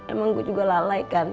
emang gue juga lalai kan